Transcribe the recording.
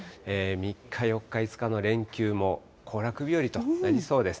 ３日、４日、５日の連休も行楽日和となりそうです。